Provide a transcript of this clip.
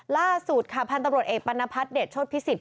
ล่าสุดค่ะพันธุ์ตำรวจเอกปรณพัฒน์เดชโชธพิสิทธ